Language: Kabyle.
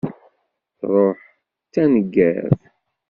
Truḥ d taneggart.